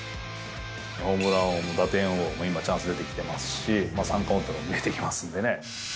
ホームラン王、打点王、今、チャンス出てきてますし、三冠王も見えてきますんでね。